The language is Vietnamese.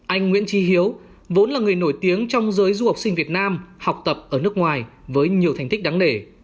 anh nguyễn trí hiếu vốn là người nổi tiếng trong giới du học sinh việt nam học tập ở nước ngoài với nhiều thành tích đáng nể